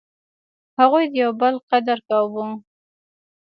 هغوی د یو بل قدر کاوه.